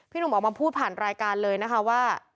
หนุ่มออกมาพูดผ่านรายการเลยนะคะว่า